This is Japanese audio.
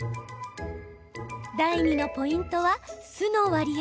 第２のポイントは酢の割合。